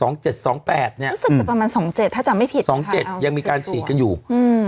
รู้สึกจะประมาณสองเจ็ดถ้าจำไม่ผิดสองเจ็ดยังมีการฉีดกันอยู่อืม